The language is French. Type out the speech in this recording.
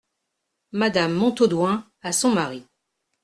Madame Montaudoin , à son mari.